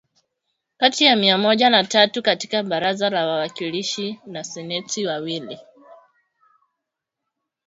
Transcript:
kati ya mia moja na tatu katika Baraza la Wawakilishi na Seneti wawili